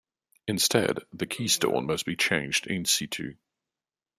Instead, the keystone must be changed in situ.